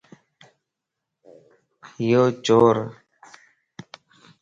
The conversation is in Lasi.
ايو چورَ